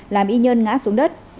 làm y nhơn ngã xuống đất